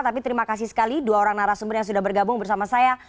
tapi terima kasih sekali dua orang narasumber yang sudah bergabung bersama saya